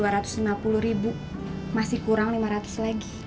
rp dua ratus lima puluh ribu masih kurang lima ratus lagi